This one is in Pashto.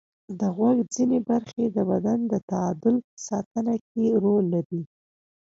د غوږ ځینې برخې د بدن د تعادل په ساتنه کې رول لري.